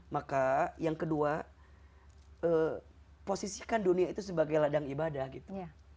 maka yang kedua posisikan dunia itu sebagai ladang ibadah gitu